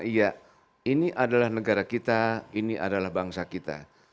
iya ini adalah negara kita ini adalah bangsa kita